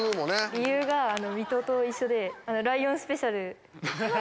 理由が水戸と一緒でライオンスペシャル。